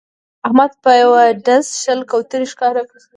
احمد په یوه ډز شل کوترې ښکار کړې